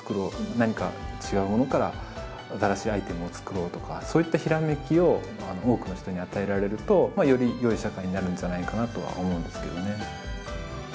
何か違うものから新しいアイテムを作ろう」とかそういったひらめきを多くの人に与えられるとよりよい社会になるんじゃないかなとは思うんですけどね。